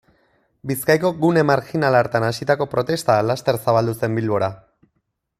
Bizkaiko gune marjinal hartan hasitako protesta laster zabaldu zen Bilbora.